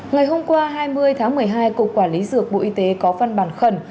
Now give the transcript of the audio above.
ngày hôm qua hai mươi tháng một mươi hai cục quản lý dược bộ y tế có văn bản khẩn